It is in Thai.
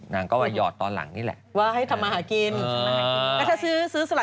นางก็ยอดตอนหลังนี่แหละ